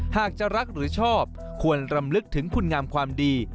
หากจะรักหรือชอบควรรำลึกถึงคุณงามความดี